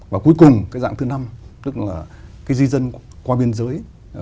và cuối cùng cái dạng thứ năm tức là cái di dân qua biên giới